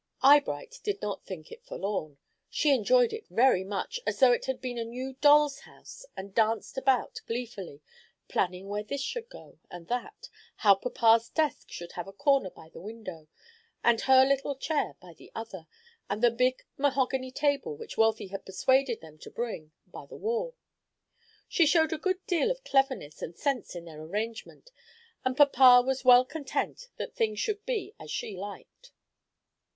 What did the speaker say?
Eyebright did not think it forlorn. She enjoyed it very much as though it had been a new doll's house, and danced about gleefully, planning where this should go, and that; how papa's desk should have a corner by one window, and her little chair by the other, and the big mahogany table, which Wealthy had persuaded them to bring, by the wall. She showed a good deal of cleverness and sense in their arrangement, and papa was well content that things should be as she liked.